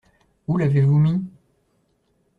Où l’avez-vous mis ?